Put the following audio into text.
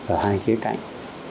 ở hai khía cạnh